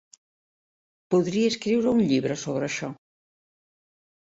Podria escriure un llibre sobre això.